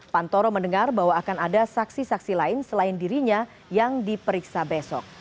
pantoro mendengar bahwa akan ada saksi saksi lain selain dirinya yang diperiksa besok